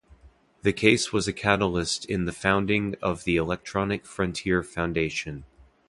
The case was a catalyst in the founding of the Electronic Frontier Foundation.